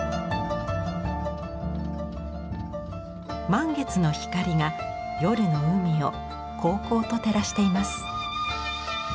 満月の光が夜の海をこうこうと照らしています。